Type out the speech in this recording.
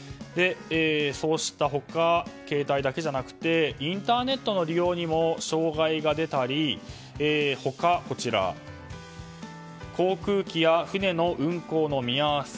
そうした他、携帯だけじゃなくてインターネットの利用にも障害が出たり他にも、航空機や船の運航の見合わせ